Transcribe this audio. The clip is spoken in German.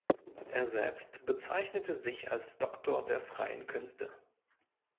Er selbst bezeichnete sich als Doktor der Freien Künste.